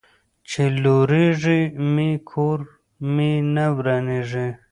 ـ چې لوريږي مې، کور مې نه ورانيږي.